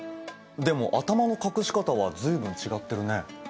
でも頭の隠し方は随分違ってるね。